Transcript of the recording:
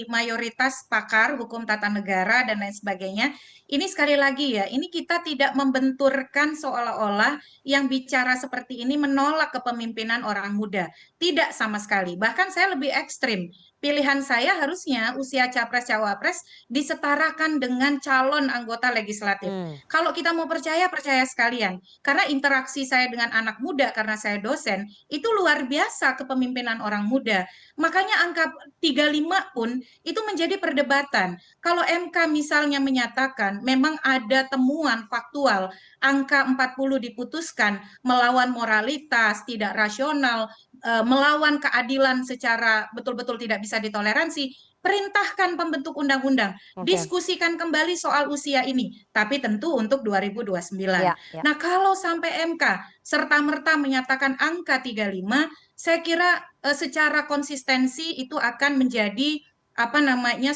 mestinya beliau tidak terlibat di dalam pengambilan keputusan atas uji materi terhadap usia ini